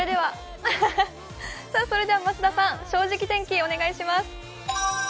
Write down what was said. それでは増田さん、「正直天気」お願いします。